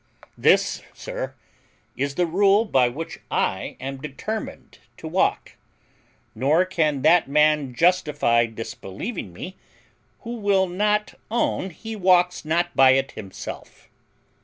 This, sir, is the rule by which I am determined to walk, nor can that man justify disbelieving me who will not own he walks not by it himself.